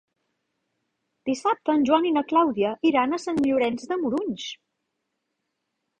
Dissabte en Joan i na Clàudia iran a Sant Llorenç de Morunys.